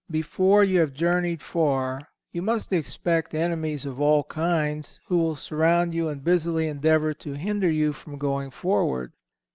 Before you have journeyed far, you must expect enemies of all kinds, who will surround you and busily endeavour to hinder you from going forward.